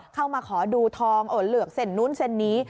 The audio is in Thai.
เข้ามาขอดูทองเอาเหลือกเซ่นนู่นเซ่นนี้